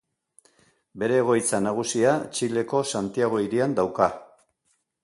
Bere egoitza nagusia Txileko Santiago hirian dauka.